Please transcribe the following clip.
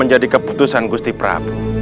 menjadi keputusan gusti prabu